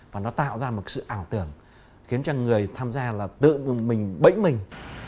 và nó tạo ra một sự ảo tưởng khiến cho người tham gia là tự mình bẫy mình